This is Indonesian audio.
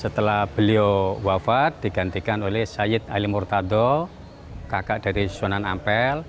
setelah beliau wafat digantikan oleh sayyid ali murtado kakak dari sunan ampel